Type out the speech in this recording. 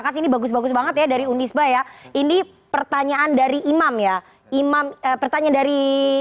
khas ini bagus bagus banget ya dari undisba ya ini pertanyaan dari imam ya imam pertanyaan dari